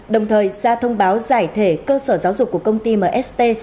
đồng thời ra thông báo giải thể cơ sở giáo dục của công ty mst